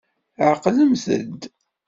Ɛeqlemt-d.